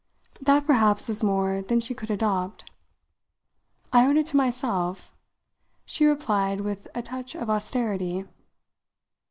That perhaps was more than she could adopt. "I owed it to myself," she replied with a touch of austerity.